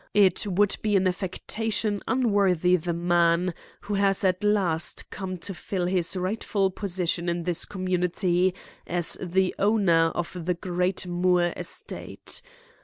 It would be an affectation unworthy the man who has at last come to fill his rightful position in this community as the owner of the great Moore estate.